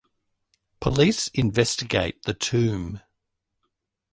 Police investigate the tomb.